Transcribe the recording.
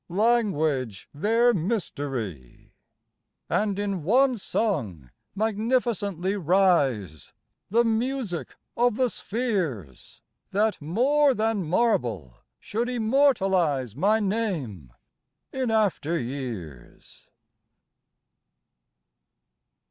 Language their mystery!_ _And in one song magnificently rise, The music of the spheres, That more than marble should immortalize My name in after years.